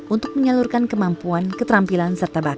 untuk menyalurkan kemampuan keterampilan serta bakar